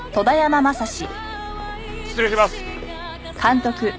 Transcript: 失礼します！